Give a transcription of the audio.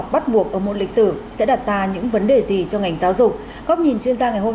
bắt buộc ở môn lịch sử sẽ đặt ra những vấn đề gì cho ngành giáo dục góc nhìn chuyên gia ngày hôm